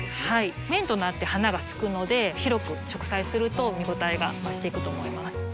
面となって花がつくので広く植栽すると見応えが増していくと思います。